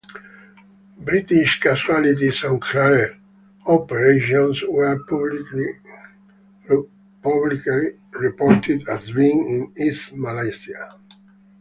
British casualties on Claret operations were publicly reported as being in East Malaysia.